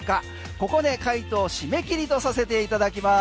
ここで回答締め切りとさせていただきます。